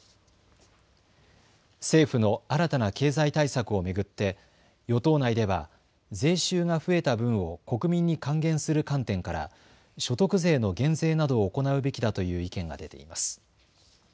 政府の新たな経済対策を巡って与党内では税収が増えた分を国民に還元する観点から所得税の減税などを行うべきだという意見が出ています。